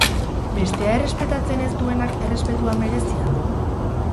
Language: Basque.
Bestea errespetatzen ez duenak errespetua merezi al du?